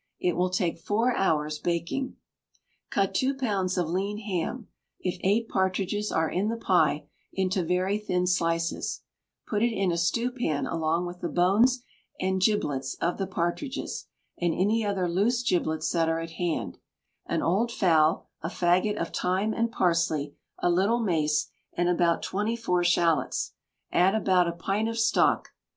It will take four hours baking. Cut two pounds of lean ham (if eight partridges are in the pie) into very thin slices, put it in a stewpan along with the bones and giblets of the partridges, and any other loose giblets that are at hand, an old fowl, a faggot of thyme and parsley, a little mace, and about twenty four shalots: add about a pint of stock.